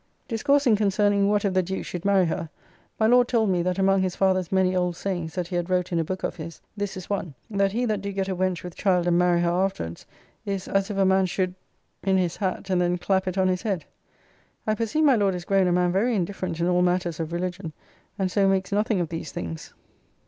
Discoursing concerning what if the Duke should marry her, my Lord told me that among his father's many old sayings that he had wrote in a book of his, this is one that he that do get a wench with child and marry her afterwards is as if a man should in his hat and then clap it on his head. I perceive my Lord is grown a man very indifferent in all matters of religion, and so makes nothing of these things.